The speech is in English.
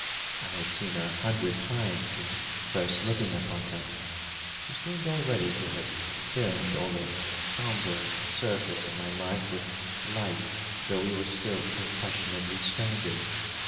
I had seen her a hundred times since first looking upon her ; she seemed already to have filmed all the sombre surface of my life with light, though we were still unquestionably strangers.